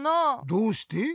どうして？